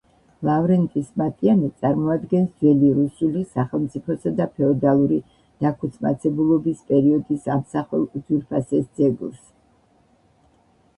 ლავრენტის მატიანე წარმოადგენს ძველი რუსული სახელმწიფოსა და ფეოდალური დაქუცმაცებულობის პერიოდის ამსახველ უძვირფასეს ძეგლს.